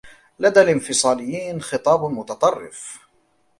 لدى الإنفصاليين خطاب متطرف.